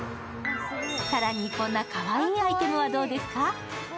更に、こんなかわいいアイテムはどうですか？